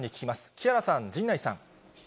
木原さん、陣内さん。